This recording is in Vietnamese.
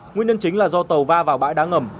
nguyên nhân chính là do tàu va vào bãi đá ngầm